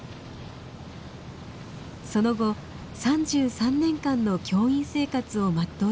その後３３年間の教員生活を全うしました。